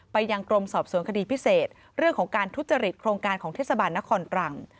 ยังกรมสอบสวนคดีพิเศษเรื่องของการทุจริตโครงการของเทศบาลนครตรัง